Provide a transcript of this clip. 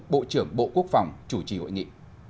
bộ trưởng bộ quốc phòng chủ trì hội nghị